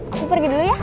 aku pergi dulu ya